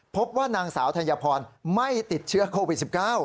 พบว่านางสาวธัญพรไม่ติดเชื้อโควิด๑๙